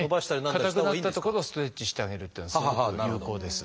硬くなった所をストレッチしてあげるというのはすごく有効です。